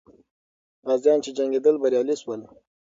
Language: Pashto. غازیان چې جنګېدل، بریالي سول.